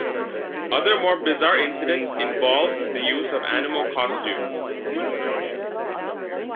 Other more bizarre incidents involved the use of animal costumes.